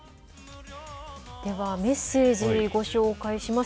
では、メッセージご紹介します。